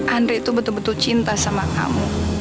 andre itu betul betul cinta sama kamu